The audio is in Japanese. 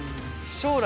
将来。